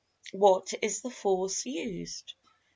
What is the Force used?